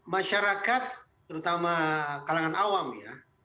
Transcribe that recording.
masyarakat terutama kalangan awam ya